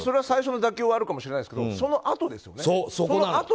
最初の妥協はあるかもしれないですけどそのあとですよね。